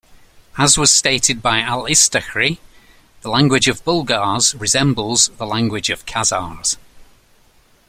As was stated by Al-Istakhri "the language of Bulgars resembles the language of Khazars".